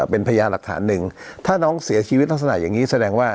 เป็นพยานหลักฐานหนึ่งถ้าน้องเสียชีวิตลักษณะอย่างนี้แสดงว่า